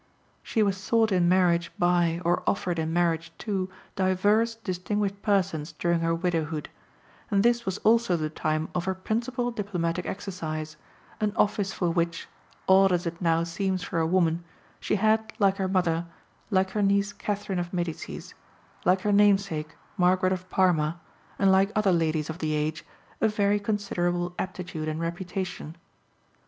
She was sought in marriage by or offered in marriage to divers distinguished persons during her widowhood, and this was also the time of her principal diplomatic exercise, an office for which odd as it now seems for a woman she had, like her mother, like her niece Catherine of Medicis, like her namesake Margaret of Parma, and like other ladies of the age, a very considerable aptitude and reputation.